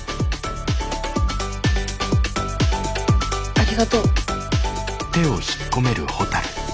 ありがとう。